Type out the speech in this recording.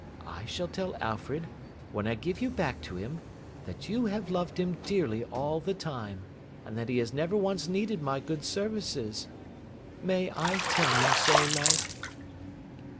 I shall tell Alfred, when I give you back to him, that you have loved him dearly all the time, and that he has never once needed my good services. May I tell him so, love?